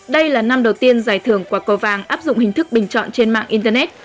đây là năm đầu tiên giải thưởng quả cầu vàng áp dụng hình thức bình chọn trên mạng internet